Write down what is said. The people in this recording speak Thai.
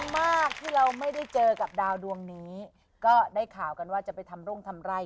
มากที่เราไม่ได้เจอกับดาวดวงนี้ก็ได้ข่าวกันว่าจะไปทำร่งทำไร่